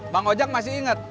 bang ojak masih inget